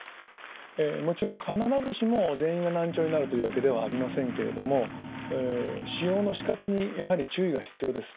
もちろん必ずしも全員が難聴になるというわけではありませんけれども使用の仕方にやはり注意が必要です。